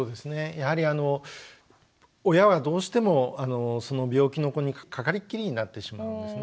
やはりあの親はどうしてもその病気の子にかかりっきりになってしまうんですね。